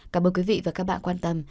cảm ơn quý vị và các bạn quan tâm